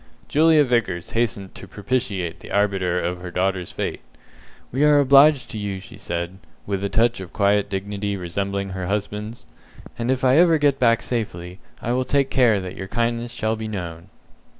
Julia Vickers hastened to propitiate the arbiter of her daughter's fate. "We are obliged to you," she said, with a touch of quiet dignity resembling her husband's; "and if I ever get back safely, I will take care that your kindness shall be known."